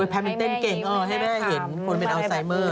แพทย์มันเต้นเก่งให้แม่เห็นคนเป็นอัลไซเมอร์